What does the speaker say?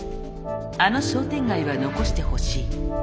「あの商店街は残してほしい」